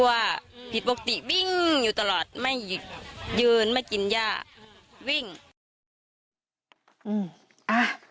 ว่าผิดปกติวิ่งอยู่ตลอดไม่ยืนไม่กินย่าวิ่งอืมอ่ะ